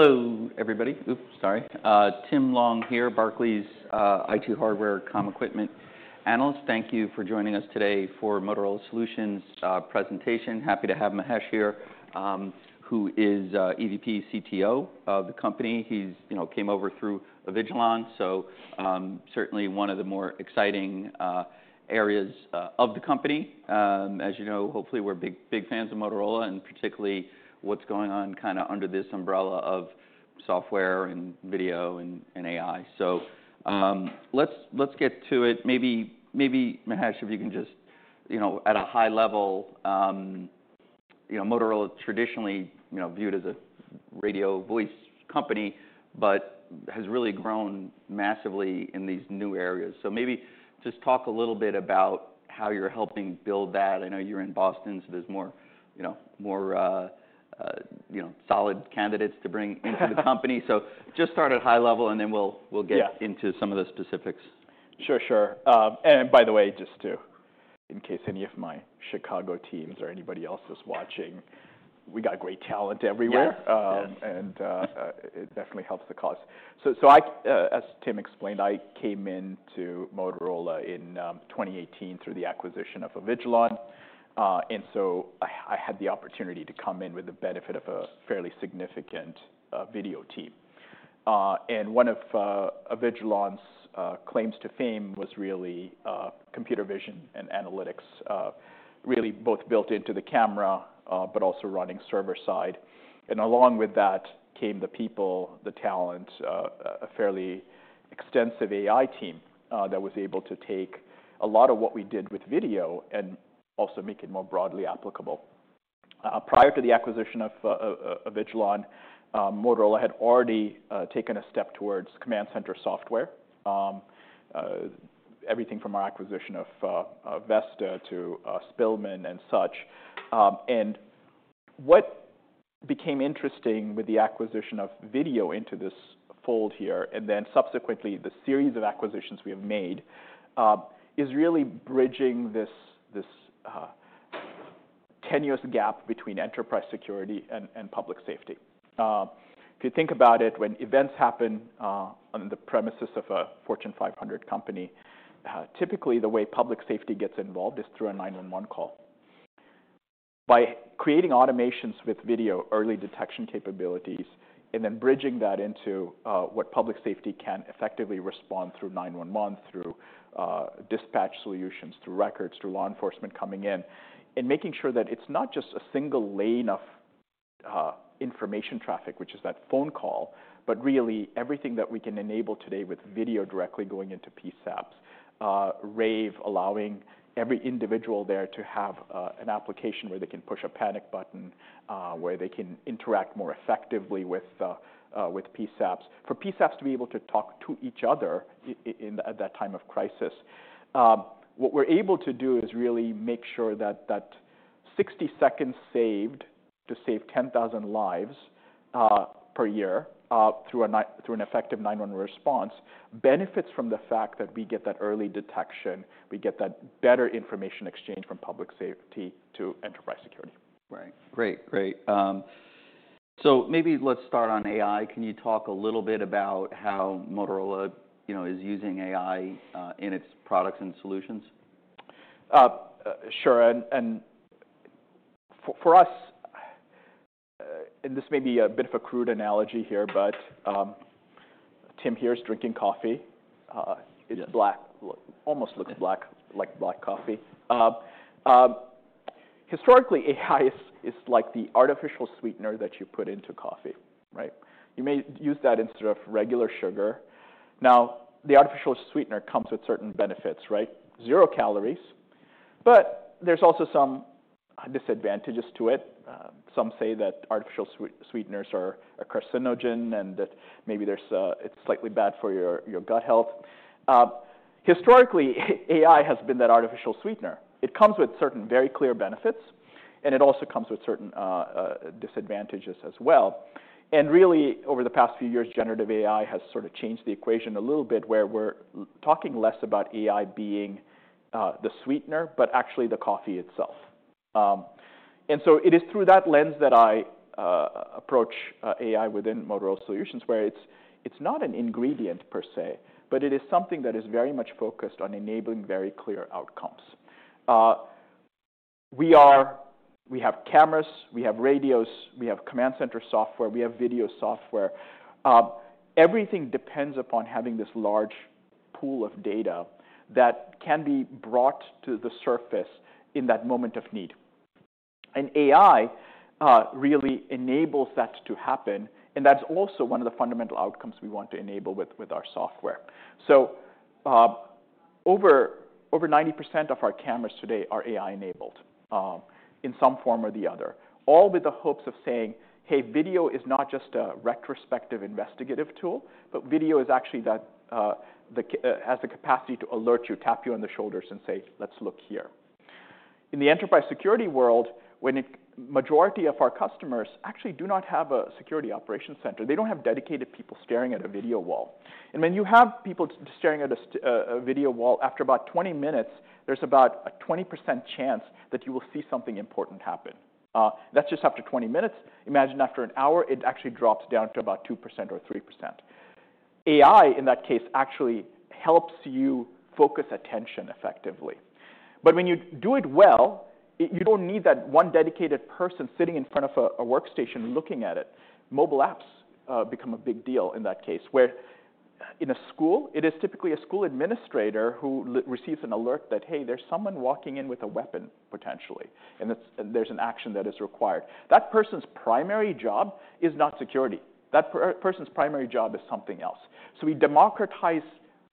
Hello, everybody. Oops, sorry. Tim Long here, Barclays, IT hardware, comm equipment analyst. Thank you for joining us today for Motorola Solutions presentation. Happy to have Mahesh here, who is EVP CTO of the company. He's, you know, came over through Avigilon, so certainly one of the more exciting areas of the company. As you know, hopefully we're big, big fans of Motorola and particularly what's going on kinda under this umbrella of software and video and AI. So let's get to it. Maybe Mahesh, if you can just, you know, at a high level, you know, Motorola traditionally, you know, viewed as a radio voice company, but has really grown massively in these new areas. So maybe just talk a little bit about how you're helping build that. I know you're in Boston, so there's more, you know, more, you know, solid candidates to bring into the company. So just start at a high level and then we'll, we'll get. Yeah. Into some of the specifics. Sure, sure, and by the way, just to, in case any of my Chicago teams or anybody else is watching, we got great talent everywhere. Yep. It definitely helps the cause. So, as Tim explained, I came into Motorola in 2018 through the acquisition of Avigilon. And so I had the opportunity to come in with the benefit of a fairly significant video team. And one of Avigilon's claims to fame was really computer vision and analytics, really both built into the camera, but also running server side. And along with that came the people, the talent, a fairly extensive AI team that was able to take a lot of what we did with video and also make it more broadly applicable. Prior to the acquisition of Avigilon, Motorola had already taken a step towards command center software, everything from our acquisition of VESTA to Spillman and such. and what became interesting with the acquisition of Videotec into this fold here and then subsequently the series of acquisitions we have made, is really bridging this tenuous gap between enterprise security and public safety. If you think about it, when events happen, on the premises of a Fortune 500 company, typically the way public safety gets involved is through a 911 call. By creating automations with video, early detection capabilities, and then bridging that into what public safety can effectively respond through 911, through dispatch solutions, through records, through law enforcement coming in, and making sure that it's not just a single lane of information traffic, which is that phone call, but really everything that we can enable today with video directly going into PSAPs, Rave allowing every individual there to have an application where they can push a panic button, where they can interact more effectively with PSAPs, for PSAPs to be able to talk to each other in that time of crisis. What we're able to do is really make sure that that 60 seconds saved to save 10,000 lives per year through an effective 911 response benefits from the fact that we get that early detection. We get that better information exchange from public safety to enterprise security. Right. Great, great. So maybe let's start on AI. Can you talk a little bit about how Motorola, you know, is using AI in its products and solutions? Sure. And for us, this may be a bit of a crude analogy here, but Tim here's drinking coffee. It's black. Yep. It almost looks black, like black coffee. Historically, AI is like the artificial sweetener that you put into coffee, right? You may use that instead of regular sugar. Now, the artificial sweetener comes with certain benefits, right? Zero calories, but there's also some disadvantages to it. Some say that artificial sweeteners are a carcinogen and that maybe it's slightly bad for your gut health. Historically, AI has been that artificial sweetener. It comes with certain very clear benefits, and it also comes with certain disadvantages as well. Really, over the past few years, generative AI has sort of changed the equation a little bit where we're talking less about AI being the sweetener, but actually the coffee itself. And so it is through that lens that I approach AI within Motorola Solutions, where it's not an ingredient per se, but it is something that is very much focused on enabling very clear outcomes. We have cameras, we have radios, we have command center software, we have video software. Everything depends upon having this large pool of data that can be brought to the surface in that moment of need. And AI really enables that to happen, and that's also one of the fundamental outcomes we want to enable with our software. Over 90% of our cameras today are AI-enabled, in some form or the other, all with the hopes of saying, "Hey, video is not just a retrospective investigative tool, but video is actually that, the camera has the capacity to alert you, tap you on the shoulders, and say, 'Let's look here.'" In the enterprise security world, when the majority of our customers actually do not have a security operations center, they don't have dedicated people staring at a video wall. When you have people staring at a video wall, after about 20 minutes, there's about a 20% chance that you will see something important happen. That's just after 20 minutes. Imagine after an hour, it actually drops down to about 2% or 3%. AI, in that case, actually helps you focus attention effectively. But when you do it well, you don't need that one dedicated person sitting in front of a workstation looking at it. Mobile apps become a big deal in that case where, in a school, it is typically a school administrator who receives an alert that, "Hey, there's someone walking in with a weapon potentially," and that's, and there's an action that is required. That person's primary job is not security. That person's primary job is something else. So we democratize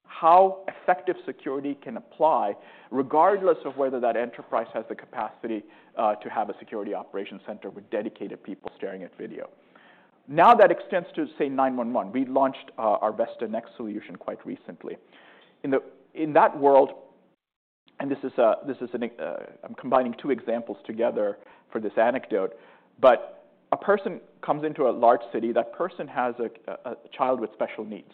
how effective security can apply regardless of whether that enterprise has the capacity to have a security operations center with dedicated people staring at video. Now that extends to, say, 911. We launched our VESTA NXT solution quite recently. In that world, and this is an I'm combining two examples together for this anecdote, but a person comes into a large city. That person has a child with special needs.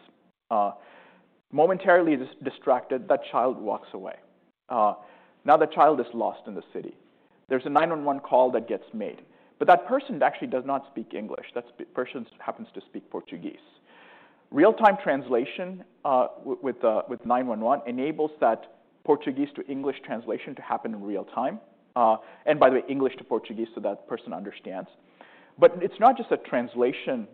Momentarily is distracted, that child walks away. Now that child is lost in the city. There's a 911 call that gets made, but that person actually does not speak English. That person happens to speak Portuguese. Real-time translation with 911 enables that Portuguese to English translation to happen in real time, and by the way, English to Portuguese so that person understands. But it's not just a translation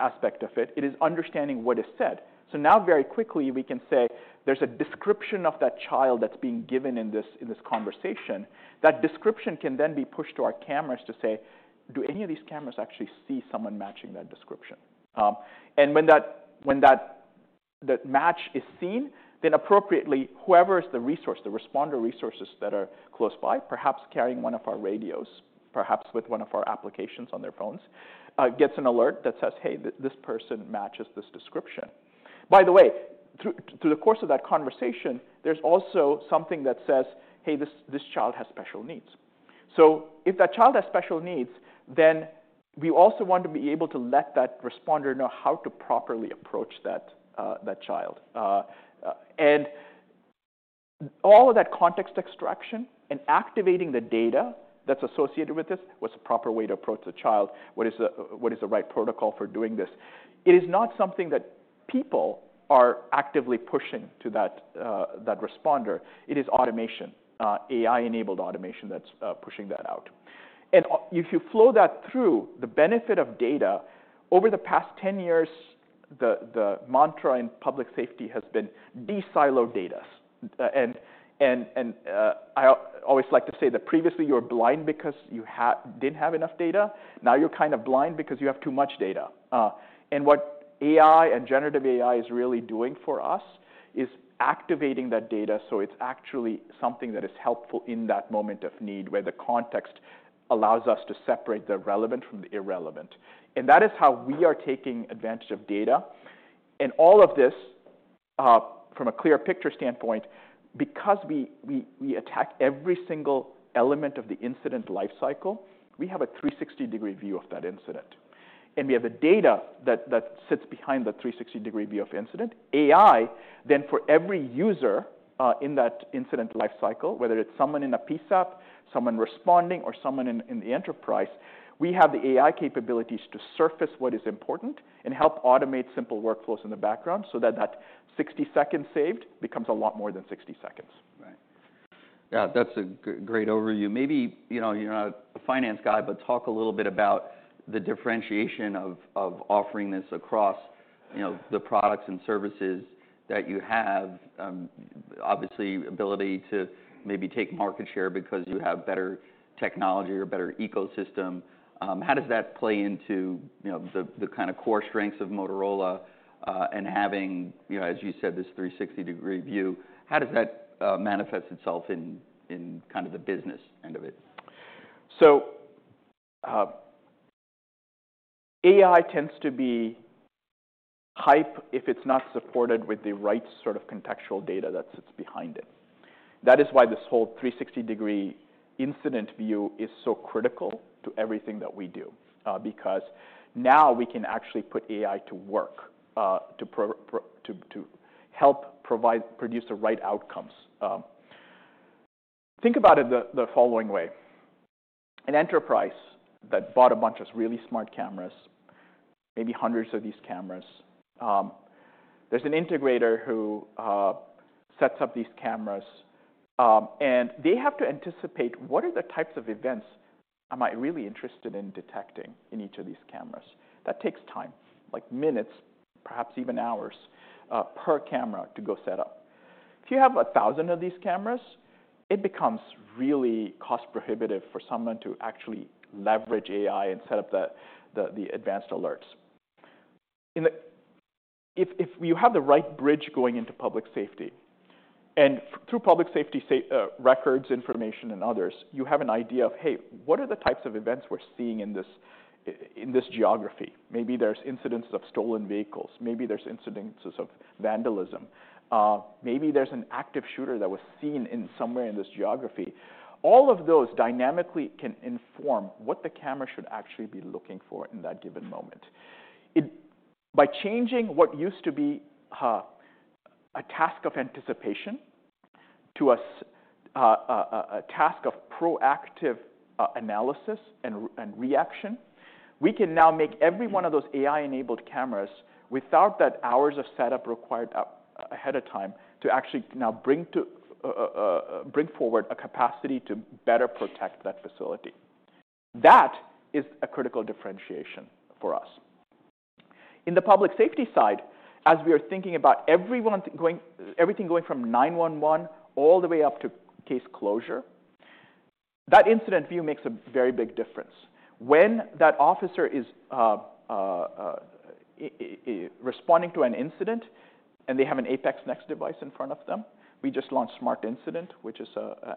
aspect of it. It is understanding what is said. So now very quickly we can say there's a description of that child that's being given in this conversation. That description can then be pushed to our cameras to say, "Do any of these cameras actually see someone matching that description?" and when that match is seen, then appropriately, whoever is the resource, the responder resources that are close by, perhaps carrying one of our radios, perhaps with one of our applications on their phones, gets an alert that says, "Hey, this person matches this description." By the way, through the course of that conversation, there's also something that says, "Hey, this child has special needs." So if that child has special needs, then we also want to be able to let that responder know how to properly approach that child. And all of that context extraction and activating the data that's associated with this was a proper way to approach the child. What is the right protocol for doing this? It is not something that people are actively pushing to that responder. It is automation, AI-enabled automation that's pushing that out. And if you flow that through the benefit of data, over the past 10 years, the mantra in public safety has been de-silo data. And I always like to say that previously you were blind because you didn't have enough data. Now you're kind of blind because you have too much data. And what AI and generative AI is really doing for us is activating that data so it's actually something that is helpful in that moment of need where the context allows us to separate the relevant from the irrelevant. And that is how we are taking advantage of data. All of this, from a clear picture standpoint, because we attack every single element of the incident life cycle, we have a 360-degree view of that incident. We have the data that sits behind the 360-degree view of incident. AI then for every user, in that incident life cycle, whether it's someone in a PSAP, someone responding, or someone in the enterprise, we have the AI capabilities to surface what is important and help automate simple workflows in the background so that 60 seconds saved becomes a lot more than 60 seconds. Right. Yeah, that's a great overview. Maybe, you know, you're not a finance guy, but talk a little bit about the differentiation of offering this across, you know, the products and services that you have. Obviously, ability to maybe take market share because you have better technology or better ecosystem. How does that play into, you know, the kinda core strengths of Motorola, and having, you know, as you said, this 360-degree view? How does that manifest itself in kinda the business end of it? So, AI tends to be hype if it's not supported with the right sort of contextual data that sits behind it. That is why this whole 360-degree incident view is so critical to everything that we do, because now we can actually put AI to work, to help provide, produce the right outcomes. Think about it the following way. An enterprise that bought a bunch of really smart cameras, maybe hundreds of these cameras, there's an integrator who sets up these cameras, and they have to anticipate what are the types of events am I really interested in detecting in each of these cameras. That takes time, like minutes, perhaps even hours, per camera to go set up. If you have 1,000 of these cameras, it becomes really cost-prohibitive for someone to actually leverage AI and set up the advanced alerts. In the end, if you have the right bridge going into public safety and through public safety's records, information, and others, you have an idea of, "Hey, what are the types of events we're seeing in this geography?" Maybe there's incidents of stolen vehicles. Maybe there's incidents of vandalism. Maybe there's an active shooter that was seen somewhere in this geography. All of those dynamically can inform what the camera should actually be looking for in that given moment. It, by changing what used to be a task of anticipation to a task of proactive analysis and reaction, we can now make every one of those AI-enabled cameras without those hours of setup required ahead of time to actually now bring forward a capacity to better protect that facility. That is a critical differentiation for us. In the public safety side, as we are thinking about everyone going everything going from 911 all the way up to case closure, that incident view makes a very big difference. When that officer is responding to an incident and they have an APX NEXT device in front of them, we just launched SmartIncident, which is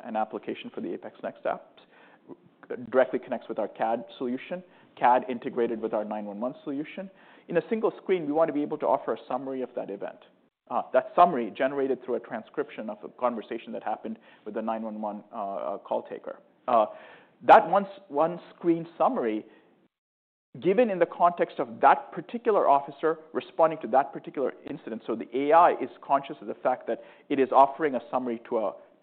an application for the APX NEXT apps, directly connects with our CAD solution, CAD integrated with our 911 solution. In a single screen, we wanna be able to offer a summary of that event. That summary generated through a transcription of a conversation that happened with the 911 call taker. that once, one-screen summary given in the context of that particular officer responding to that particular incident, so the AI is conscious of the fact that it is offering a summary to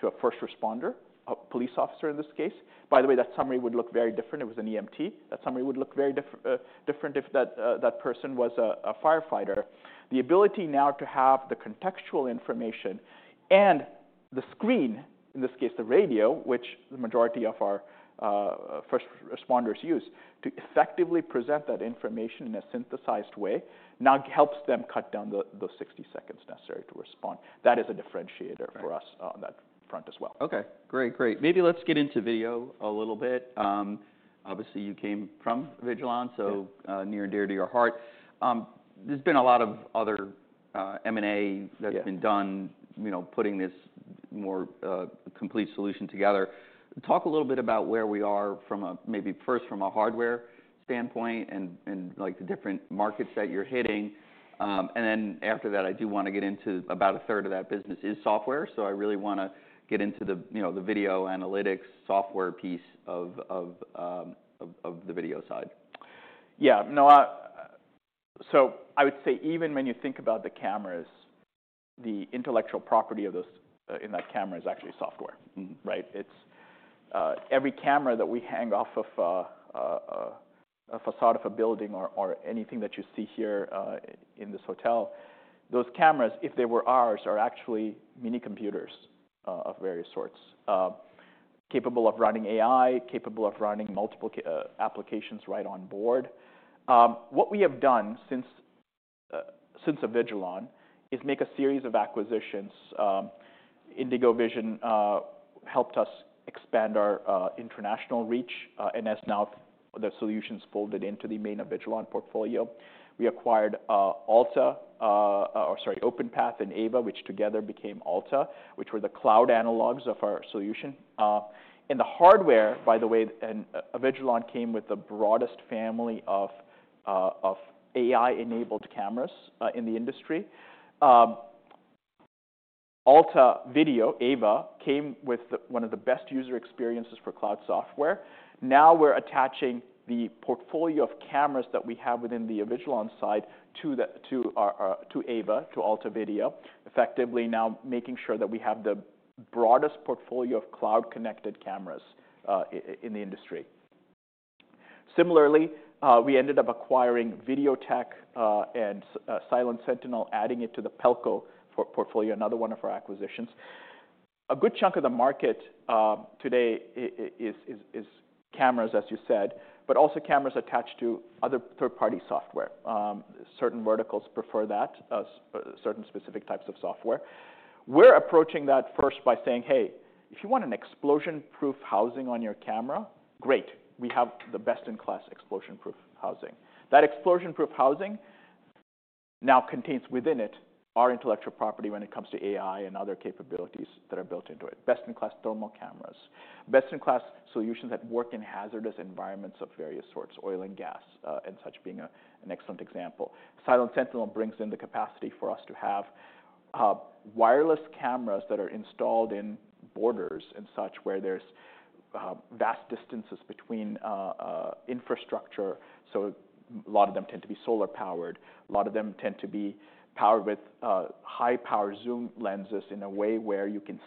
a first responder, a police officer in this case. By the way, that summary would look very different. It was an EMT. That summary would look very different if that person was a firefighter. The ability now to have the contextual information and the screen, in this case, the radio, which the majority of our first responders use, to effectively present that information in a synthesized way now helps them cut down the 60 seconds necessary to respond. That is a differentiator for us. Right. On that front as well. Okay. Great, great. Maybe let's get into video a little bit. Obviously, you came from Avigilon, so. Yep. Near and dear to your heart. There's been a lot of other M&A that's. Yep. Been done, you know, putting this more complete solution together. Talk a little bit about where we are, maybe first from a hardware standpoint and like the different markets that you're hitting. Then after that, I do wanna get into about a third of that business is software, so I really wanna get into the, you know, the video analytics software piece of the video side. Yeah. No, so I would say even when you think about the cameras, the intellectual property of those, in that camera is actually software. Mm-hmm. Right? It's every camera that we hang off of a facade of a building or anything that you see here in this hotel. Those cameras, if they were ours, are actually mini computers of various sorts, capable of running AI, capable of running multiple key applications right on board. What we have done since the Avigilon is make a series of acquisitions. IndigoVision helped us expand our international reach, and has now the solutions folded into the main Avigilon portfolio. We acquired Alta, or sorry, Openpath and Ava, which together became Alta, which were the cloud analogs of our solution. And the hardware, by the way, Avigilon came with the broadest family of AI-enabled cameras in the industry. Alta Video, Ava, came with one of the best user experiences for cloud software. Now we're attaching the portfolio of cameras that we have within the Avigilon side to our Ava to Alta Video, effectively now making sure that we have the broadest portfolio of cloud-connected cameras in the industry. Similarly, we ended up acquiring Videotec and Silent Sentinel, adding it to the Pelco portfolio, another one of our acquisitions. A good chunk of the market today is cameras, as you said, but also cameras attached to other third-party software. Certain verticals prefer that, certain specific types of software. We're approaching that first by saying, "Hey, if you want an explosion-proof housing on your camera, great. We have the best-in-class explosion-proof housing." That explosion-proof housing now contains within it our intellectual property when it comes to AI and other capabilities that are built into it. Best-in-class thermal cameras, best-in-class solutions that work in hazardous environments of various sorts, oil and gas, and such being an excellent example. Silent Sentinel brings in the capacity for us to have wireless cameras that are installed in borders and such where there's vast distances between infrastructure. So a lot of them tend to be solar-powered. A lot of them tend to be powered with high-power zoom lenses in a way where you can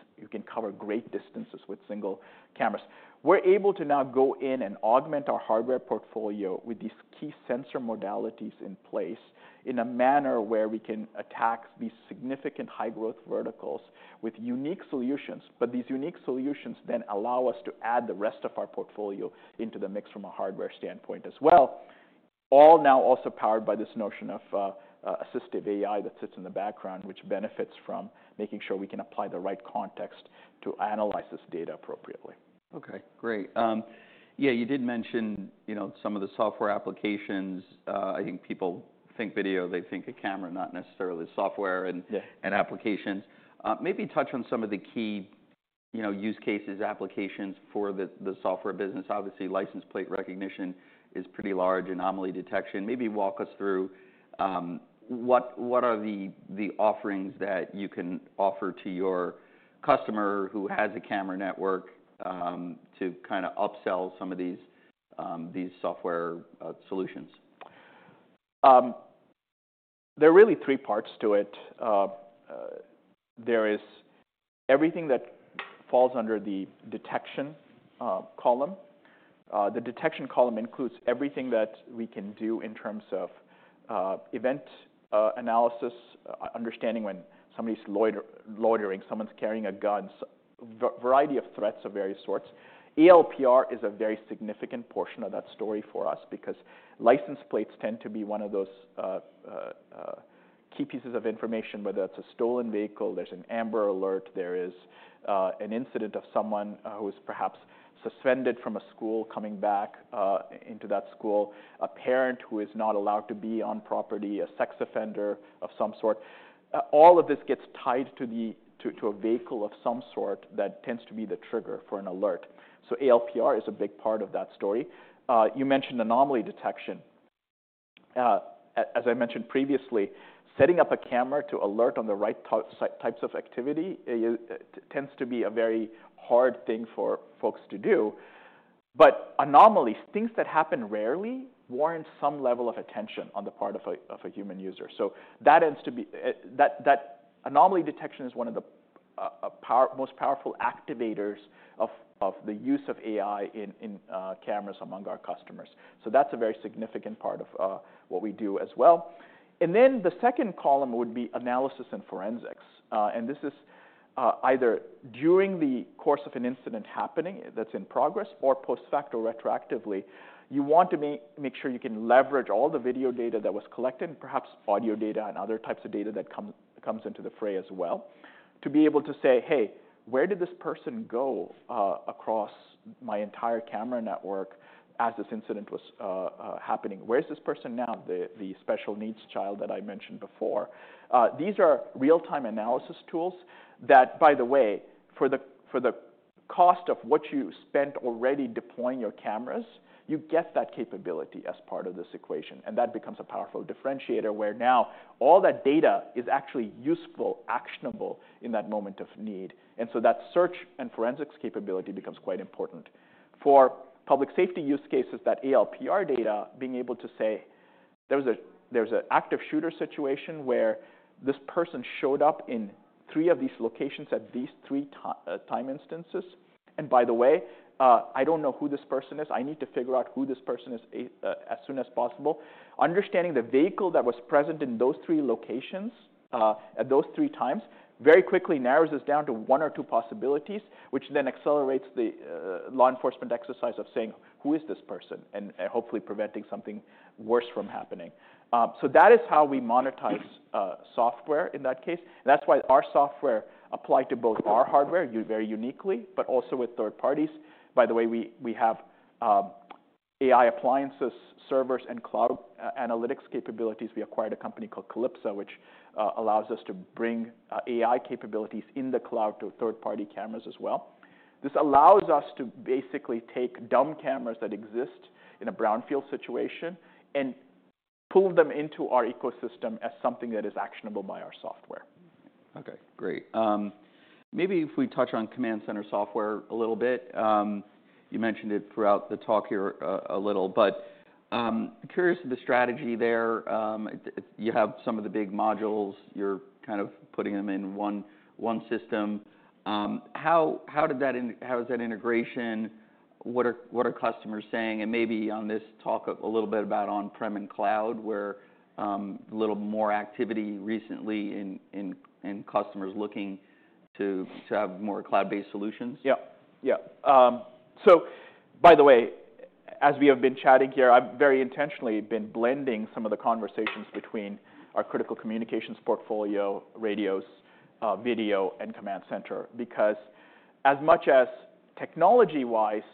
cover great distances with single cameras. We're able to now go in and augment our hardware portfolio with these key sensor modalities in place in a manner where we can attack these significant high-growth verticals with unique solutions. These unique solutions then allow us to add the rest of our portfolio into the mix from a hardware standpoint as well, all now also powered by this notion of assistive AI that sits in the background, which benefits from making sure we can apply the right context to analyze this data appropriately. Okay. Great. Yeah, you did mention, you know, some of the software applications. I think people think video. They think a camera, not necessarily software and. Yeah. And applications. Maybe touch on some of the key, you know, use cases, applications for the software business. Obviously, license plate recognition is pretty large, anomaly detection. Maybe walk us through what are the offerings that you can offer to your customer who has a camera network, to kinda upsell some of these software solutions? There are really three parts to it. There is everything that falls under the detection column. The detection column includes everything that we can do in terms of event analysis, understanding when somebody's loitering, someone's carrying a gun, a variety of threats of various sorts. ALPR is a very significant portion of that story for us because license plates tend to be one of those key pieces of information, whether it's a stolen vehicle, there's an Amber Alert, there is an incident of someone who is perhaps suspended from a school coming back into that school, a parent who is not allowed to be on property, a sex offender of some sort. All of this gets tied to a vehicle of some sort that tends to be the trigger for an alert. So ALPR is a big part of that story. You mentioned anomaly detection. As I mentioned previously, setting up a camera to alert on the right two types of activity, it tends to be a very hard thing for folks to do. But anomalies, things that happen rarely, warrant some level of attention on the part of a human user. So that tends to be, that anomaly detection is one of the most powerful activators of the use of AI in cameras among our customers. So that's a very significant part of what we do as well. And then the second column would be analysis and forensics. This is either during the course of an incident happening that's in progress or post-facto or retroactively. You want to make sure you can leverage all the video data that was collected, perhaps audio data and other types of data that comes into the fray as well, to be able to say, "Hey, where did this person go across my entire camera network as this incident was happening? Where's this person now?" The special needs child that I mentioned before. These are real-time analysis tools that, by the way, for the cost of what you spent already deploying your cameras, you get that capability as part of this equation, and that becomes a powerful differentiator where now all that data is actually useful, actionable in that moment of need, and so that search and forensics capability becomes quite important. For public safety use cases, that ALPR data, being able to say, "There was a active shooter situation where this person showed up in three of these locations at these three time instances. And by the way, I don't know who this person is. I need to figure out who this person is as soon as possible." Understanding the vehicle that was present in those three locations, at those three times very quickly narrows this down to one or two possibilities, which then accelerates the law enforcement exercise of saying, "Who is this person?" and hopefully preventing something worse from happening. So that is how we monetize software in that case. And that's why our software applied to both our hardware, you very uniquely, but also with third parties. By the way, we have AI appliances, servers, and cloud analytics capabilities. We acquired a company called Calipsa, which allows us to bring AI capabilities in the cloud to third-party cameras as well. This allows us to basically take dumb cameras that exist in a brownfield situation and pull them into our ecosystem as something that is actionable by our software. Okay. Great. Maybe if we touch on command center software a little bit. You mentioned it throughout the talk here a little, but curious about the strategy there. You have some of the big modules. You're kind of putting them in one system. How did that and how is that integration? What are customers saying? And maybe on this talk a little bit about on-prem and cloud where a little more activity recently in customers looking to have more cloud-based solutions? Yep. Yep. So, by the way, as we have been chatting here, I've very intentionally been blending some of the conversations between our critical communications portfolio, radios, video, and command center because as much as technology-wise, there,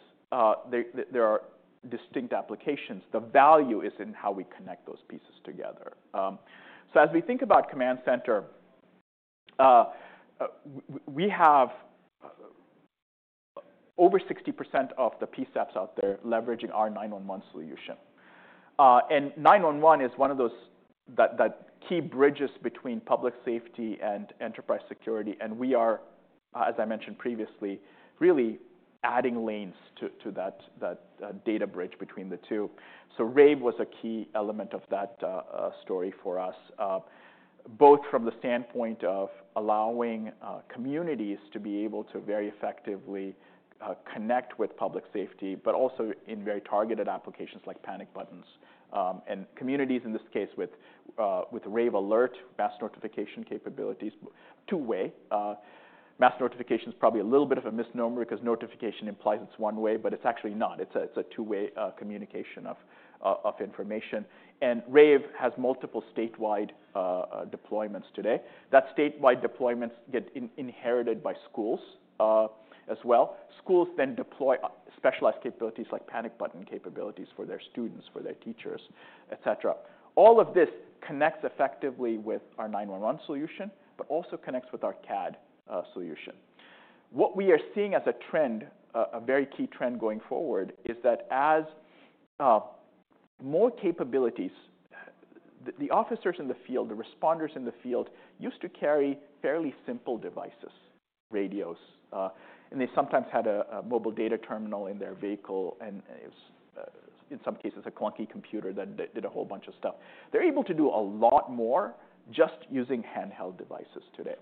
there are distinct applications, the value is in how we connect those pieces together. So as we think about command center, we have over 60% of the PSAPs out there leveraging our 911 solution. And 911 is one of those that key bridges between public safety and enterprise security. And we are, as I mentioned previously, really adding lanes to that data bridge between the two. So Rave was a key element of that story for us, both from the standpoint of allowing communities to be able to very effectively connect with public safety, but also in very targeted applications like panic buttons. and communities in this case with Rave Alert, mass notification capabilities, two-way mass notification's probably a little bit of a misnomer because notification implies it's one way, but it's actually not. It's a two-way communication of information. And Rave has multiple statewide deployments today. That statewide deployments get inherited by schools, as well. Schools then deploy specialized capabilities like panic button capabilities for their students, for their teachers, etc. All of this connects effectively with our 911 solution, but also connects with our CAD solution. What we are seeing as a trend, a very key trend going forward is that as more capabilities, the officers in the field, the responders in the field used to carry fairly simple devices, radios, and they sometimes had a mobile data terminal in their vehicle, and it was, in some cases, a clunky computer that did a whole bunch of stuff. They're able to do a lot more just using handheld devices today.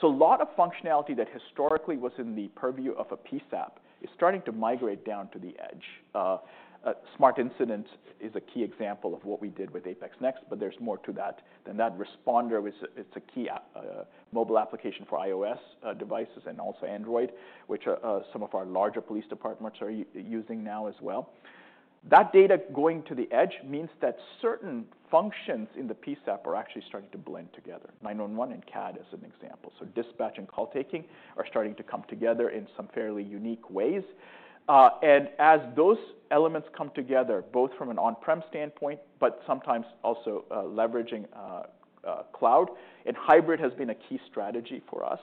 So a lot of functionality that historically was in the purview of a PSAP is starting to migrate down to the edge. SmartIncident is a key example of what we did with APX NEXT, but there's more to that. And the Responder app is a key APX mobile application for iOS devices and also Android, which some of our larger police departments are using now as well. That data going to the edge means that certain functions in the PSAP are actually starting to blend together. 911 and CAD is an example. So dispatch and call taking are starting to come together in some fairly unique ways. And as those elements come together, both from an on-prem standpoint, but sometimes also leveraging cloud, and hybrid has been a key strategy for us.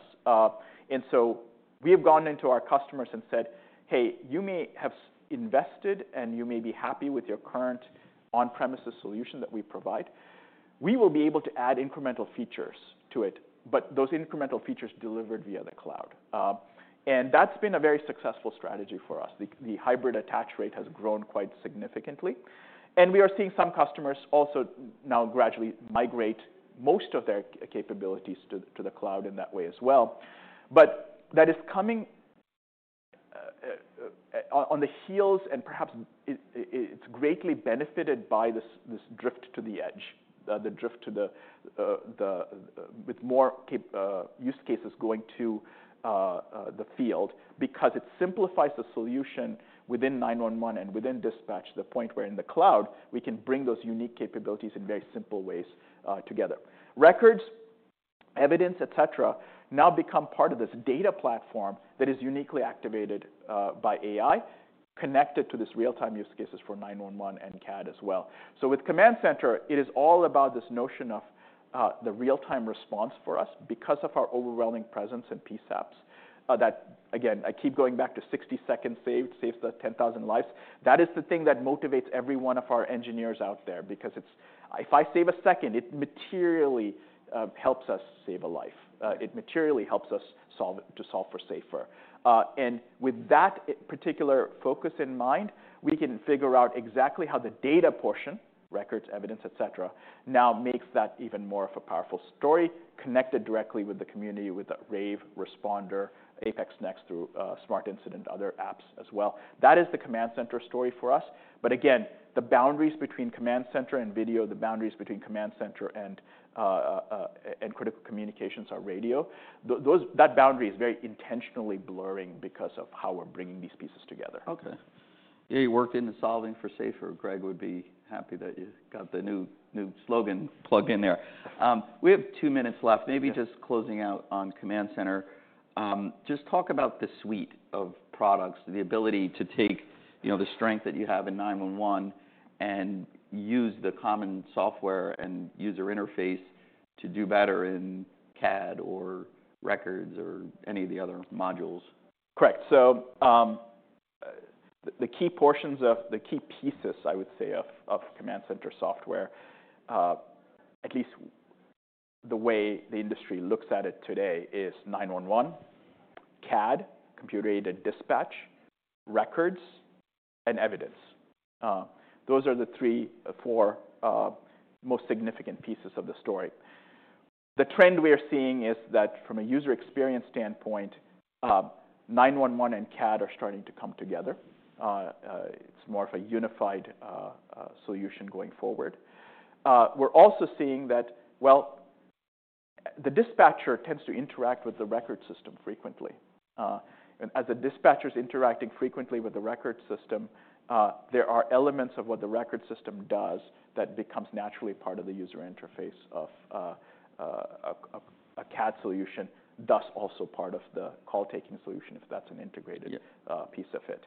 And so we have gone into our customers and said, "Hey, you may have invested, and you may be happy with your current on-premises solution that we provide. We will be able to add incremental features to it, but those incremental features delivered via the cloud." And that's been a very successful strategy for us. The hybrid attach rate has grown quite significantly. We are seeing some customers also now gradually migrate most of their capabilities to the cloud in that way as well. But that is coming on the heels and perhaps it's greatly benefited by this drift to the edge with more cap use cases going to the field because it simplifies the solution within 911 and within dispatch, the point where in the cloud we can bring those unique capabilities in very simple ways together. Records, evidence, etc. now become part of this data platform that is uniquely activated by AI connected to this real-time use cases for 911 and CAD as well. With command center, it is all about this notion of the real-time response for us because of our overwhelming presence in PSAPs. That again I keep going back to 60 seconds saved saves the 10,000 lives. That is the thing that motivates every one of our engineers out there because it's if I save a second, it materially helps us save a life. It materially helps us solve for safer, and with that particular focus in mind, we can figure out exactly how the data portion, records, evidence, etc., now makes that even more of a powerful story connected directly with the community with Rave, Responder, APX NEXT through SmartIncident, other apps as well. That is the command center story for us. But again, the boundaries between command center and video, the boundaries between command center and critical communications are radio. Those boundaries are very intentionally blurring because of how we're bringing these pieces together. Okay. Yeah, you worked in the Solving for Safer. Greg would be happy that you got the new, new slogan plugged in there. We have two minutes left. Okay. Maybe just closing out on command center. Just talk about the suite of products, the ability to take, you know, the strength that you have in 911 and use the common software and user interface to do better in CAD or records or any of the other modules. Correct. So, the key portions of the key pieces, I would say, of command center software, at least the way the industry looks at it today is 911, CAD, computer-aided dispatch, records, and evidence. Those are the three, four, most significant pieces of the story. The trend we are seeing is that from a user experience standpoint, 911 and CAD are starting to come together. It's more of a unified solution going forward. We're also seeing that, well, the dispatcher tends to interact with the record system frequently, and as the dispatcher's interacting frequently with the record system, there are elements of what the record system does that becomes naturally part of the user interface of a CAD solution, thus also part of the call taking solution if that's an integrated. Yeah. Piece of it.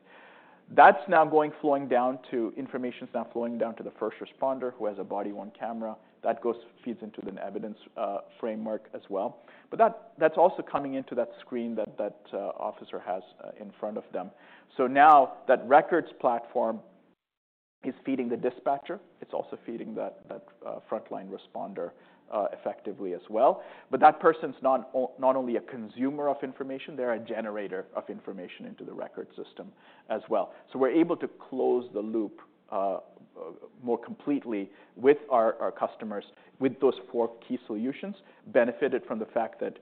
That's now flowing down to the first responder who has a body-worn camera. That feeds into the evidence framework as well. But that's also coming into that screen that officer has in front of them. So now that records platform is feeding the dispatcher. It's also feeding that frontline responder effectively as well. But that person's not only a consumer of information, they're a generator of information into the record system as well. So we're able to close the loop more completely with our customers with those four key solutions benefited from the fact that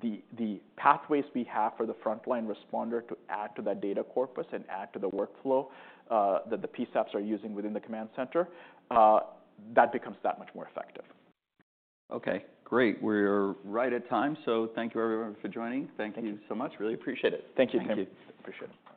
the pathways we have for the frontline responder to add to that data corpus and add to the workflow that the PSAPs are using within the command center, that becomes that much more effective. Okay. Great. We are right at time. So thank you, everyone, for joining. Thank you. Thank you so much. Really appreciate it. Thank you. Thank you. Appreciate it.